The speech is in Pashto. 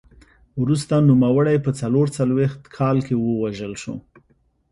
وروسته نوموړی په څلور څلوېښت کال کې ووژل شو